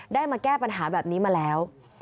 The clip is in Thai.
ได้มาแก้ปัญหาแบบนี้มาแล้ว